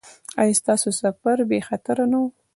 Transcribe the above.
ایا ستاسو سفر بې خطره نه و؟